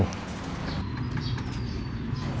ปักษัตริย์